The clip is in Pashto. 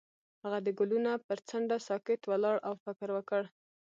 هغه د ګلونه پر څنډه ساکت ولاړ او فکر وکړ.